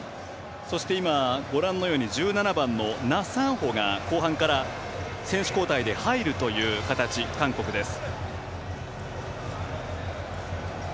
そして今、ご覧のように１７番のナ・サンホが後半から選手交代で入る形、韓国です。